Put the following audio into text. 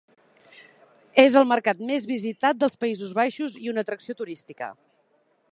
És el mercat més visitat dels Països Baixos i una atracció turística.